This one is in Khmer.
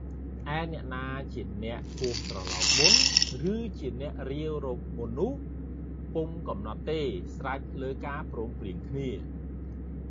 ឯអ្នកណាជាអ្នកគោះត្រឡោកមុន ឬជាអ្នករាវរកមុននោះ ពុំកំណត់ទេស្រេចលើការព្រមព្រៀងគ្នា។